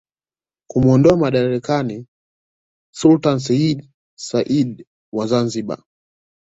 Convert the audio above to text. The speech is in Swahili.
kumuondoa madarakani Sultani seyyid said wa Zanzibar